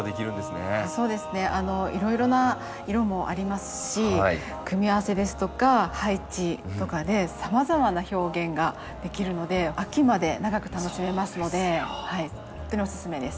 そうですねいろいろな色もありますし組み合わせですとか配置とかでさまざまな表現ができるので秋まで長く楽しめますのでほんとにおすすめです。